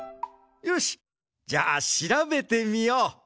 よしじゃあしらべてみよう。